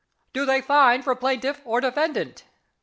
"Do they find for plaintiff or defendant?"